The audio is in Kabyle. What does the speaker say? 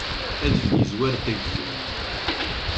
Adfel yezwar-d ageffur.